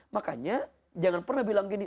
makanya jangan pernah bilang gini